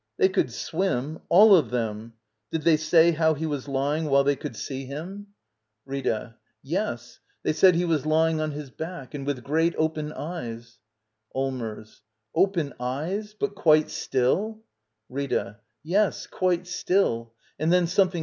They could swim — all of them. Did they say how he was lying while they could see him? 64 Digitized by VjOOQIC Act 11. « LITTLE EYOLF Rita. Yes. They said he was lying on his »/Dack. And with great, open eyes. Allmers. Open eyes? But quite still? Rita. Yes, quite still. And then something